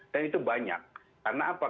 dan itu banyak karena apa